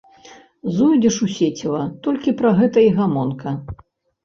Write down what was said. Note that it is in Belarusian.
Зойдзеш у сеціва, толькі пра гэта і гамонка.